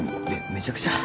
めちゃくちゃ。